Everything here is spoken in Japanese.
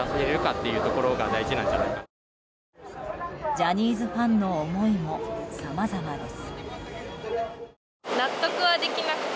ジャニーズファンの思いもさまざまです。